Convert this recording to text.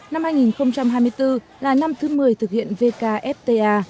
năm hai nghìn hai mươi bốn là năm thứ một mươi thực hiện vkfta